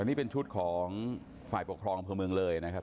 และนี่เป็นชุดของฝ่ายปกครองยาภูมิเมืองเลย